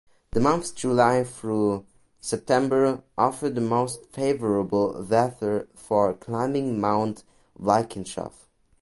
The months July through September offer the most favorable weather for climbing Mount Walkinshaw.